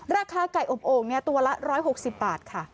ราคาไก่อบโอ่งตัวละ๑๖๐บาทค่ะ